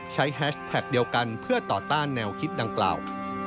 แฮชแท็กเดียวกันเพื่อต่อต้านแนวคิดดังกล่าว